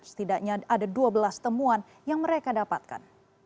setidaknya ada dua belas temuan yang mereka dapatkan